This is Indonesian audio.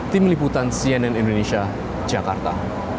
tim liputan cnn indonesia jakarta